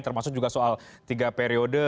termasuk juga soal tiga periode